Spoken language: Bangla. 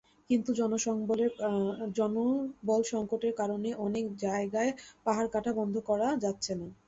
কিন্তু জনবলসংকটের কারণে অনেক জায়গায় পাহাড় কাটা বন্ধ করা যাচ্ছে না।